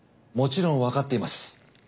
もちろんわかっています。